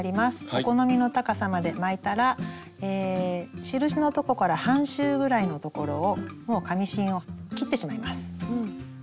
お好みの高さまで巻いたら印のとこから半周ぐらいのところをもう紙芯を切ってしまいます。